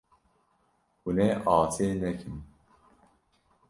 Hûn ê asê nekin.